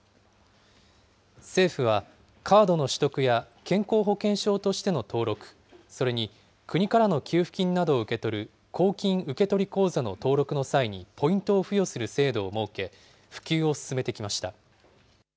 政府は、カードの取得や健康保険証としての登録、それに国からの給付金などを受け取る公金受取口座の登録の際にポイントを付与する制度を設け、普及を進めてきました。